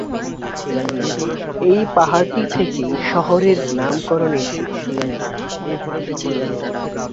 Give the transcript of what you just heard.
এই পাহাড়টি থেকেই শহরের নামকরণ এসেছে।